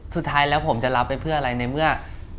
สุดท้ายแล้วผมจะรับไปเพื่ออะไรในเมื่อ